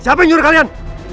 siapa yang nyuruh kalian